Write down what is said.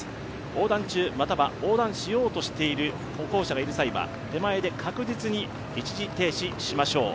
横断中、または横断しようとしている歩行者がいる際は手前で確実に一時停止しましょう。